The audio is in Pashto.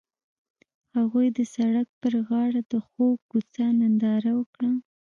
هغوی د سړک پر غاړه د خوږ کوڅه ننداره وکړه.